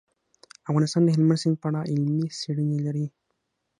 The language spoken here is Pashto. افغانستان د هلمند سیند په اړه علمي څېړنې لري.